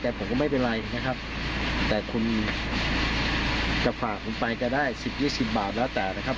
แต่ผมก็ไม่เป็นไรนะครับแต่คุณจะฝากผมไปก็ได้สิบยี่สิบบาทแล้วแต่นะครับ